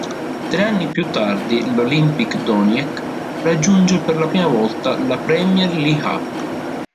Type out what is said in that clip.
Tre anni più tardi l'Olimpik Donec'k raggiunge per la prima volta la Prem"jer-liha.